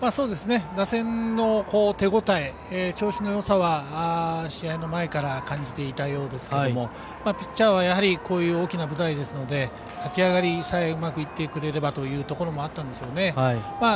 打線の手応え調子のよさは試合前から感じていたようですけれどもピッチャーはやはりこういう大きな舞台ですので立ち上がりさえうまくいってくれればというのもあったんでしょうね。